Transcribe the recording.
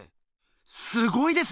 すごいです！